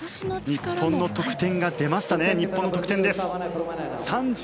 日本の得点が出ましたね。３２．８５０。